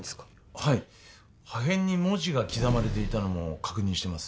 はい破片に文字が刻まれていたのも確認してます